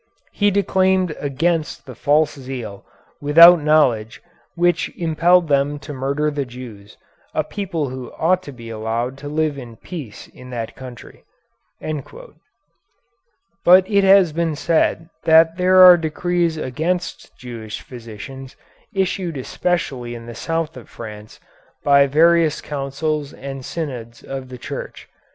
He declaimed against the false zeal, without knowledge, which impelled them to murder the Jews, a people who ought to be allowed to live in peace in the country." But it has been said that there are decrees against Jewish physicians, issued especially in the south of France, by various councils and synods of the Church.